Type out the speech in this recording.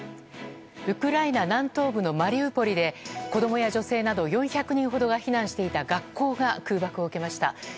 ウクライナ南東部のマリウポリで子供や女性など４００人ほどが避難していた学校が空爆を受けました。